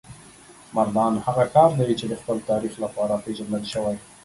مردان هغه ښار دی چې د خپل تاریخ لپاره پیژندل شوی.